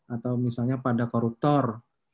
atau misalnya pada koruptor